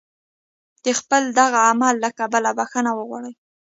د خپل دغه عمل له کبله بخښنه وغواړي.